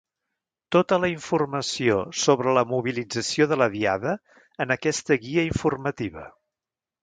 Tota la informació sobre la mobilització de la Diada en aquesta guia informativa.